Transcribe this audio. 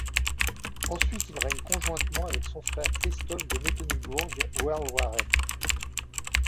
Ensuite il règne conjointement avec son frère Christophe de Mecklembourg-Werle-Waren.